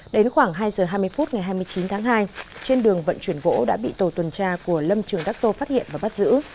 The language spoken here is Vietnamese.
đến khoảng hai giờ hai mươi phút ngày hai mươi chín tháng hai trên đường vận chuyển gỗ đã bị tổ tuần tra của lâm trường đắc tô phát hiện và bắt giữ